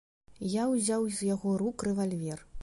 Я ўзяў з яго рук рэвальвер.